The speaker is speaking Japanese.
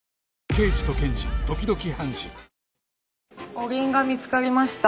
お鈴が見つかりました。